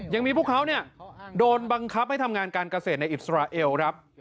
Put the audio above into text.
ยังมีพวกเขาเนี่ยโดนบังคับให้ทำงานการเกษตรในอิสราเอลครับ